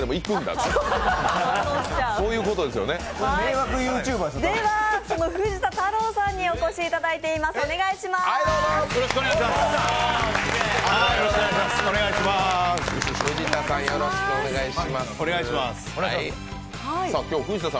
では、その藤田太郎さんにお越しいただいています、どうぞ。